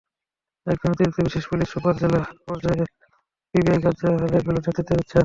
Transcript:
একজন অতিরিক্ত বিশেষ পুলিশ সুপার জেলা পর্যায়ে পিবিআই কার্যালয়গুলোর নেতৃত্ব দিচ্ছেন।